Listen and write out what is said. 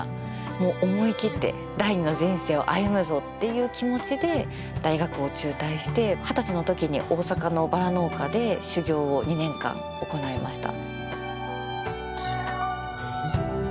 もう思い切って第二の人生を歩むぞっていう気持ちで大学を中退して二十歳の時に大阪のバラ農家で修業を２年間行いました。